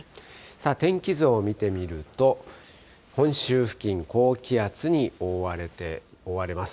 天気図を見てみると、本州付近、高気圧に覆われます。